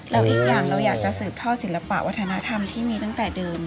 แล้วอีกอย่างเราอยากจะสืบทอดศิลปะวัฒนธรรมที่มีตั้งแต่เดิม